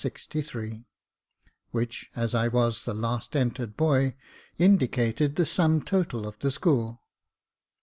63, which, as I was the last entered boy, indicated the sum total of the school.